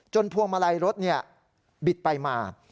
พวงมาลัยรถบิดไปมา